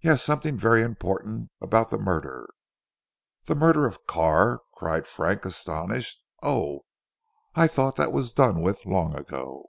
"Yes. Something very important about the murder." "The murder of Carr," cried Frank astonished. "Oh! I thought that was done with long ago."